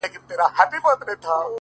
نور درته نه وايم نفس راپسې وبه ژاړې-